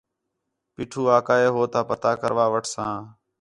پیٹھو آکھا ہِے ہو تا پتہ کروا وٹھساں